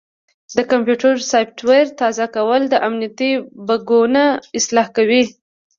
د کمپیوټر سافټویر تازه کول امنیتي بګونه اصلاح کوي.